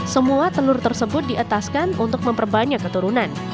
semua telur tersebut diettaskan untuk memperbanyak keturunan